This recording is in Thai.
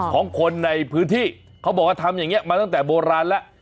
ของคนในพื้นที่เขาบอกว่าทำอย่างนี้มาตั้งแต่โบราณแล้ว